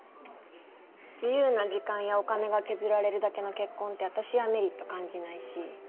自由な時間やお金が削られるだけの結婚って私はメリット感じないし。